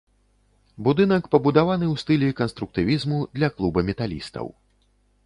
Будынак пабудаваны ў стылі канструктывізму для клуба металістаў.